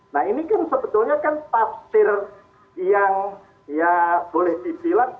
nah ini kan sebetulnya kan tafsir yang ya boleh dibilang